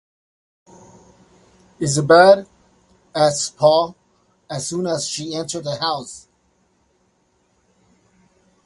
“Is it bad?” asked Paul, as soon as she entered the house.